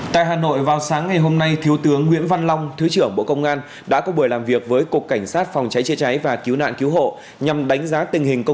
tại hà nội vào sáng ngày hôm nay thiếu tướng nguyễn văn long thứ trưởng bộ công an đã có buổi làm việc với cục cảnh sát phòng cháy chế cháy và cứu nạn cứu hộ